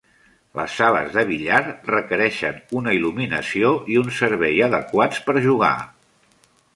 Les sales de billar requereixen una il·luminació i un servei adequats per jugar.